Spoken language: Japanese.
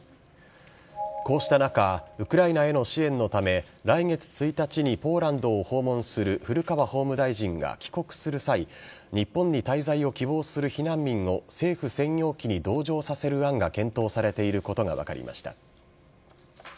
こうした中、ウクライナへの支援のため、来月１日にポーランドを訪問する古川法務大臣が帰国する際、日本に滞在を希望する避難民を政府専用機に同乗させる案が検討されていることが分かりました。